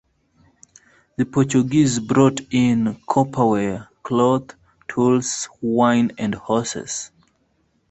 The Portuguese brought in copper ware, cloth, tools, wine and horses.